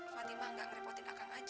fatimah gak ngerepotin akang aja